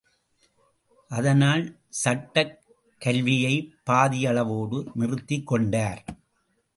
அதனால், சட்டக் கல்வியைப் பாதியளவோடு நிறுத்திக் கொண்டார்.